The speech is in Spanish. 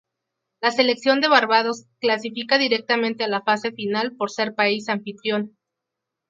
La selección de Barbados clasifica directamente a la fase final por ser país anfitrión.